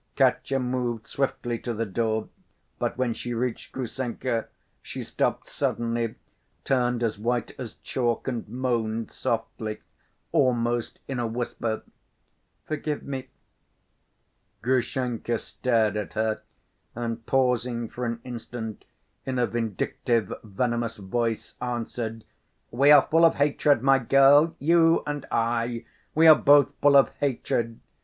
Katya moved swiftly to the door, but when she reached Grushenka, she stopped suddenly, turned as white as chalk and moaned softly, almost in a whisper: "Forgive me!" Grushenka stared at her and, pausing for an instant, in a vindictive, venomous voice, answered: "We are full of hatred, my girl, you and I! We are both full of hatred!